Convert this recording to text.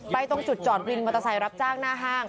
ตรงจุดจอดวินมอเตอร์ไซค์รับจ้างหน้าห้าง